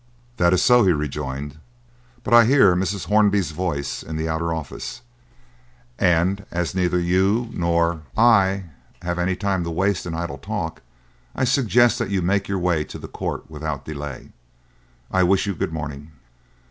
"That is so," he rejoined; "but I hear Mrs. Hornby's voice in the outer office, and as neither you nor I have any time to waste in idle talk, I suggest that you make your way to the court without delay. I wish you good morning!"